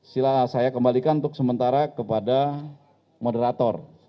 sila saya kembalikan untuk sementara kepada moderator